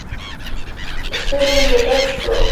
ستونى مې ډک سو.